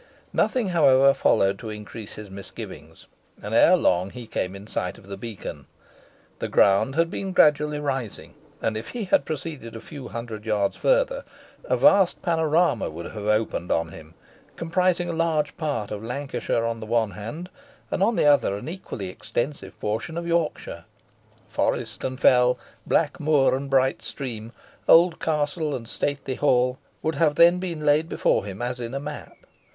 Nothing, however, followed to increase his misgivings, and erelong he came in sight of the beacon. The ground had been gradually rising, and if he had proceeded a few hundred yards further, a vast panorama would have opened upon him, comprising a large part of Lancashire on the one hand, and on the other an equally extensive portion of Yorkshire. Forest and fell, black moor and bright stream, old castle and stately hall, would have then been laid before him as in a map.